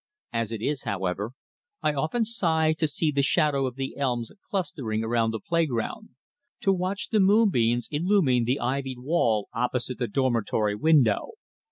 As it is, however, I often sigh to see the shadow of the elms clustering around the playground, to watch the moonbeans illumine the ivied wall opposite the dormitory window.